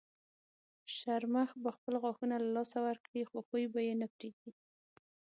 شرمښ به خپل غاښونه له لاسه ورکړي خو خوی به یې نه پرېږدي.